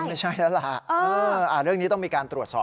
ไม่ใช่แล้วล่ะเรื่องนี้ต้องมีการตรวจสอบ